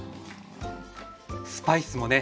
スパイスもね